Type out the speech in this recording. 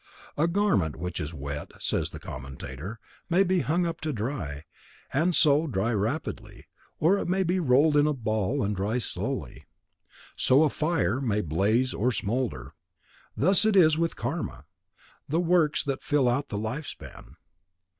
A garment which is wet, says the commentator, may be hung up to dry, and so dry rapidly, or it may be rolled in a ball and dry slowly; so a fire may blaze or smoulder. Thus it is with Karma, the works that fill out the life span.